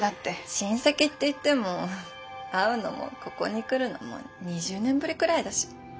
親戚って言っても会うのもここに来るのも２０年ぶりくらいだし。